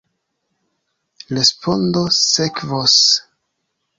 Respondo sekvos.